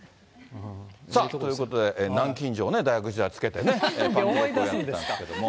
さあ、ということで、南京錠、大学時代つけてね、パンクロックやってたんですけども。